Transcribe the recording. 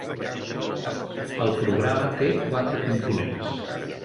El programa té quatre components.